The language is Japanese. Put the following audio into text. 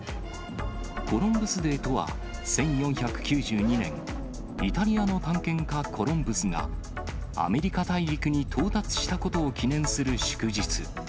コロンブスデーとは、１４９２年、イタリアの探検家、コロンブスが、アメリカ大陸に到達したことを記念する祝日。